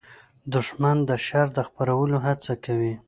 دښمن د شر د خپرولو هڅه کوي